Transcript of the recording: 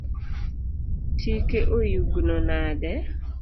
Tike oyugno nade?